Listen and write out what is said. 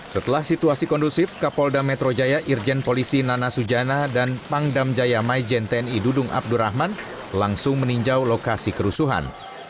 setelah situasi kondusif kapolda metro jaya irjen polisi nana sujana dan pangdam jaya maijen tni dudung abdurrahman langsung meninjau lokasi kerusuhan